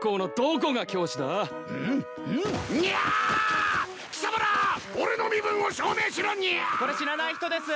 これ知らない人です。